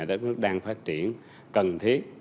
đất nước đang phát triển cần thiết